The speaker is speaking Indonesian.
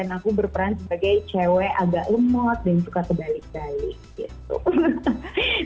aku berperan sebagai cewek agak lemot dan suka kebalik balik gitu